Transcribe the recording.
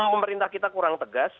pemerintah kita kurang tegas